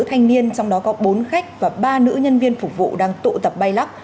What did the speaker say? thanh niên trong đó có bốn khách và ba nữ nhân viên phục vụ đang tụ tập bay lóc